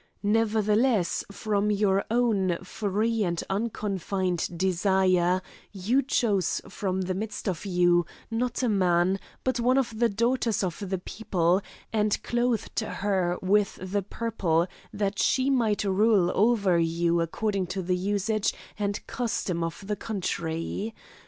Nevertheless, from your own free and unconfined desire, you chose from the midst of you, not a man, but one of the daughters of the people, and clothed her with the purple that she might rule over you according to the usage and custom of the country.